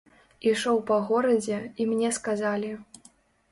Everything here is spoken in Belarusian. Ішоў па горадзе, і мне сказалі.